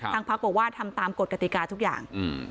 ทางพักบอกว่าทำตามกฎกติกาทุกอย่าง